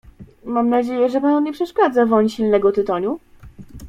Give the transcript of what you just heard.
"Mam nadzieje że panu nie przeszkadza woń silnego tytoniu?"